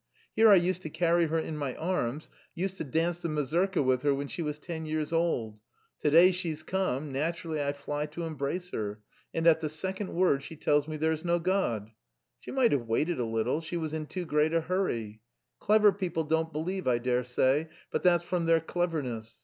Here I used to carry her in my arms, used to dance the mazurka with her when she was ten years old; to day she's come, naturally I fly to embrace her, and at the second word she tells me there's no God. She might have waited a little, she was in too great a hurry! Clever people don't believe, I dare say; but that's from their cleverness.